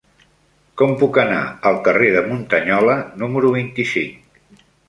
Com puc anar al carrer de Muntanyola número vint-i-cinc?